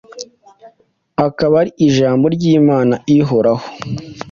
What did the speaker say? akaba ari ijambo ry’Imana ihoraho,